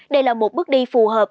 đây là một bước đi phù hợp